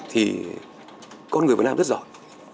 thì con người việt nam rất giỏi